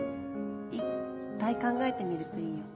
いっぱい考えてみるといいよ